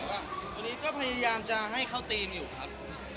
วันนี้ก็พยายามจะให้เขาเทมอยู่ครับ